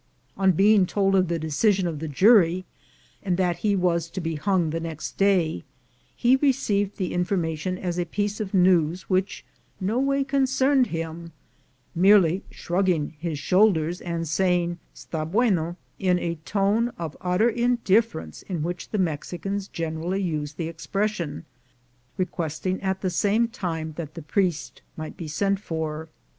On being told of the decision of the jury, and that he was to be hung the next day, he received the information as a piece of news which no way concerned him, merely shrugging his shoulders and saying, " 'std bueno," in the tone of utter indifference in which the Mexicans generally use the expression, requesting at the same time that the priest might be sent for.